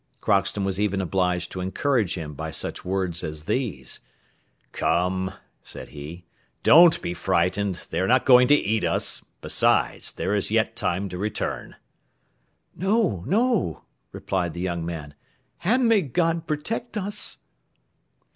Crockston was even obliged to encourage him by such words as these: "Come," said he, "don't be frightened, they are not going to eat us, besides, there is yet time to return." "No, no," replied the young man, "and may God protect us!"